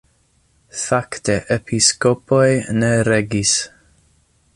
Fakte episkopoj ne regis.